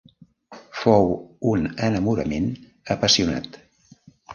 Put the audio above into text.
Fou un enamorament apassionat.